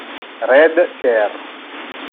Red Kerr